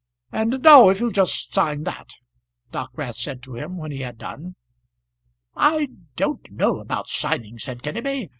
"And now if you'll just sign that," Dockwrath said to him when he had done. "I don't know about signing," said Kenneby.